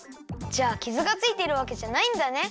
じゃあキズがついてるわけじゃないんだね！